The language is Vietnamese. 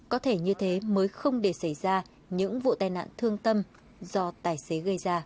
có thể như thế mới không để xảy ra những vụ tai nạn thương tâm do tài xế gây ra